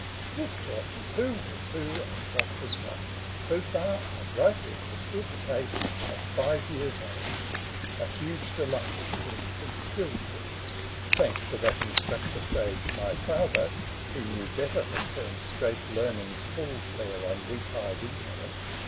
This taught me who was who and what was what : So far I rightly understood the case At five years old : a huge delight it proved And still proves— thanks to that instructor sage My Father, who knew better than turn straight Learning's full flare on weak eyed ignorance.